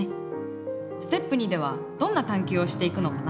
ステップ２ではどんな探究をしていくのかな？